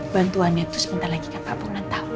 bantuan itu sebentar lagi ke pak pung nantah pun